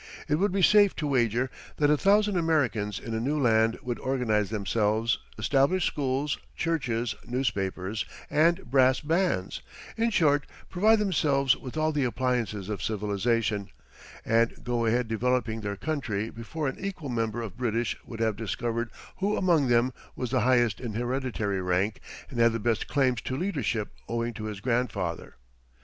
It would be safe to wager that a thousand Americans in a new land would organize themselves, establish schools, churches, newspapers, and brass bands in short, provide themselves with all the appliances of civilization and go ahead developing their country before an equal number of British would have discovered who among them was the highest in hereditary rank and had the best claims to leadership owing to his grandfather.